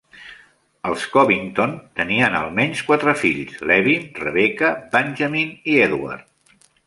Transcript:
Els Covington tenien almenys quatre fills: Levin, Rebecca, Benjamin i Edward.